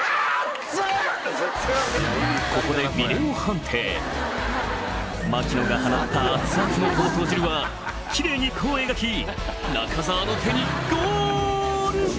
ここでビデオ判定槙野が放った熱々のほうとう汁はキレイに弧を描き中澤の手にゴール！